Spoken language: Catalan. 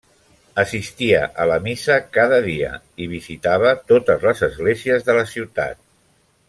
Assistia a la missa cada dia, i visitava totes les esglésies de la ciutat.